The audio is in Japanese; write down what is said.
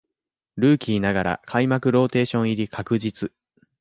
ルーキーながら開幕ローテーション入り確実